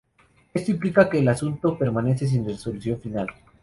Esto implica que el asunto permanece sin resolución final.